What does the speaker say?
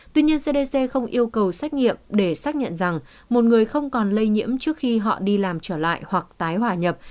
tuy nhiên cdc không yêu cầu xét nghiệm để xác nhận rằng một người không còn lây nhiễm trước khi họ đi làm trở lại hoặc tái hòa nhập